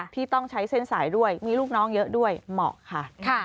ที่ต้องใช้เส้นสายด้วยมีลูกน้องเยอะด้วยเหมาะค่ะ